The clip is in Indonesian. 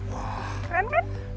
wah keren kan